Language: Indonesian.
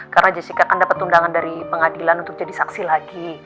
karena jessica kan dapat undangan dari pengadilan untuk jadi saksi lagi